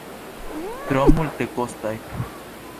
Tro multekostaj.